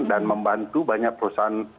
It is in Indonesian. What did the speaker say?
dan membantu banyak perusahaan